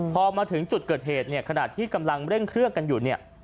พอมาถึงจุดเกิดเหตุเนี่ยขณะที่กำลังเร่งเครื่องกันอยู่เนี่ย